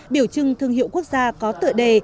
biểu trưng thương hiệu quốc gia có tựa đề